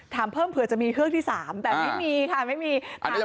ถามเพิ่มเผื่อจะมีเฮือกที่๓แต่ไม่มีค่ะ